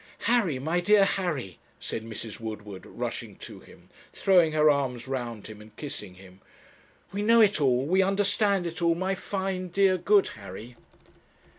'Harry, my dear Harry,' said Mrs. Woodward, rushing to him, throwing her arms round him, and kissing him; 'we know it all, we understand it all my fine, dear, good Harry.'